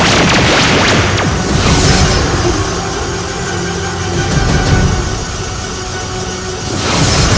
akhirnya kita memikatkan itu di meer